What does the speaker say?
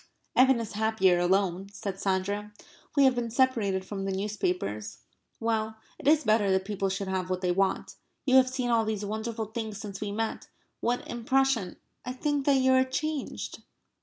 "Evan is happier alone," said Sandra. "We have been separated from the newspapers. Well, it is better that people should have what they want.... You have seen all these wonderful things since we met.... What impression ... I think that you are changed."